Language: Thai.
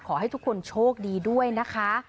ขอให้ทุกคนโชคดีด้วยนะคะ